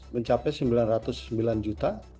mencapai sembilan ratus sembilan juta